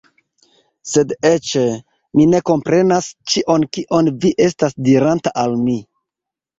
Sed eĉ... Mi ne komprenas ĉion kion vi estas diranta al mi